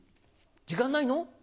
時間ないの？